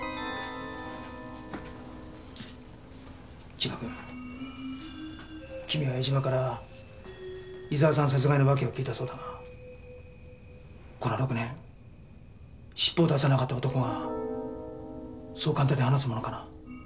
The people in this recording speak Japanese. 千葉君君は江島から伊沢さん殺害の訳を聞いたそうだがこの６年尻尾を出さなかった男がそう簡単に話すものかな？